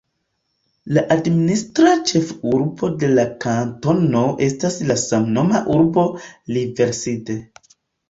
La administra ĉefurbo de la kantono estas la samnoma urbo Riverside.